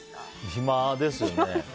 暇ですよね。